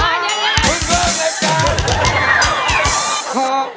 คุณเพิ่มไม่กลับ